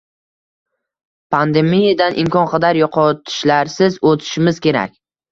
Pandemiyadan imkon qadar yoʻqotishlarsiz oʻtishimiz kerak